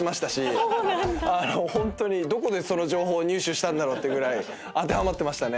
ホントにどこでその情報入手したんだろうってぐらい当てはまってましたね。